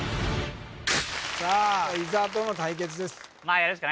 さあ伊沢との対決です